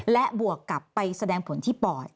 และบวกกลับไปแสดงผลที่ปอด